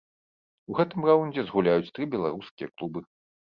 У гэтым раўндзе згуляюць тры беларускія клубы.